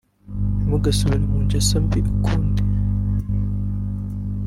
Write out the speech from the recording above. ntimugasubire mu ngeso mbi ukundi